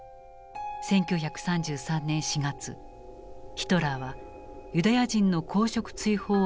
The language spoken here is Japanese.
１９３３年４月ヒトラーは「ユダヤ人の公職追放」を決定した。